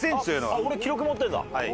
あっ俺記録持ってるんだ。